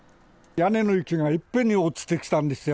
屋根の雪がいっぺんに落ちてきたんですよ。